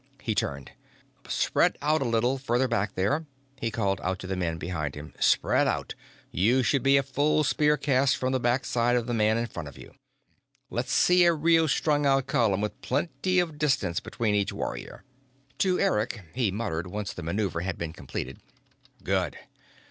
He turned. "Spread out a little farther back there," he called out to the men behind him. "Spread out! You should be a full spear cast from the backside of the man in front of you. Let me see a real strung out column with plenty of distance between each warrior." To Eric, he muttered, once the maneuver had been completed: "Good.